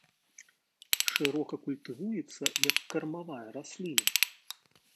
Шырока культывуецца як кармавая расліна.